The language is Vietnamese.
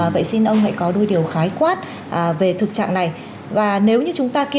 vậy xin ông hãy có đôi điều khái quát về thực trạng này